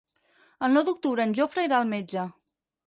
El nou d'octubre en Jofre irà al metge.